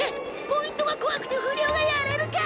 ポイントが怖くて不良がやれるか！